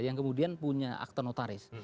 yang kemudian punya akte notaris